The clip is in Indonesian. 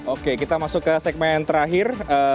oke kita masuk ke segmen terakhir